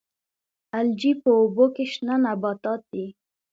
الجی په اوبو کې شنه نباتات دي